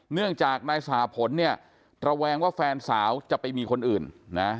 เนื่องจากนายสหพลเนี่ยระแวงว่าแฟนสาวจะไปมีคนอื่นนะ